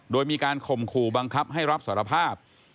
โดยมีการข่มขู่บังคับให้รับสารภาพ